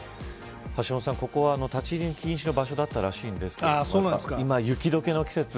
橋下さん、ここは立ち入り禁止の場所だったらしいんですが今、雪解けの季節。